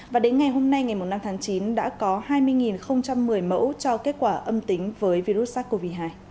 và đến ngày hôm nay ngày năm tháng chín đã có hai mươi một mươi mẫu cho kết quả âm tính với virus sars cov hai